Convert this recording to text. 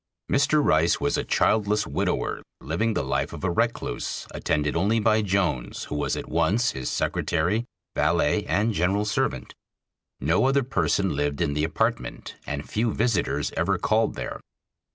Mr. Rice was a childless widower, living the life of a recluse, attended only by Jones, who was at once his secretary, valet and general servant. No other person lived in the apartment, and few visitors ever called there.